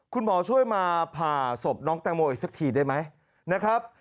คุณหมอช่วยมาผ่าศพน้องแตงโมอีกสักทีได้ไหมนะครับ